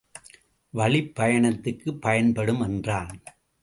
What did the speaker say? வழிப்பயணத்துக்குப் பயன்படும் என்றான்.